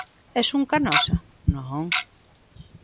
Es un Canosa, non?